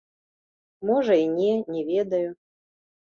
Можа, і не, не ведаю.